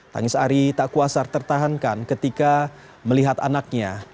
tangis ari tak kuasar tertahankan ketika melihat anaknya